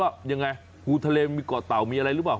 ว่ายังไงภูทะเลมีเกาะเต่ามีอะไรหรือเปล่า